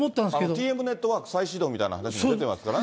ＴＭネットワーク再始動みたいな話も出てますからね。